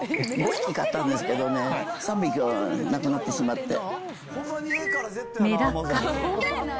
５匹買ったんですけどね、３匹は亡くなってしまって。